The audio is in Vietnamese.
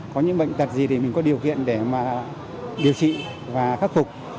có những bệnh tật gì để mình có điều kiện để mà điều trị và khắc phục